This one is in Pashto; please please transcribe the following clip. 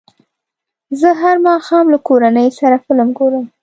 زه هر ماښام له کورنۍ سره فلم ګورم.